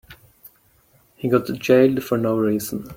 He got jailed for no reason.